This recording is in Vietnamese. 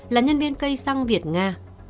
là nhân viên cây xăng việt nga